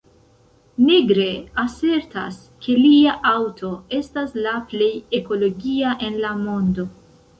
Negre asertas, ke lia aŭto estas la plej ekologia en la mondo.